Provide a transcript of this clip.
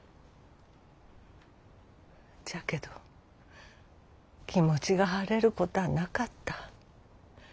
じゃけど気持ちが晴れるこたあなかった。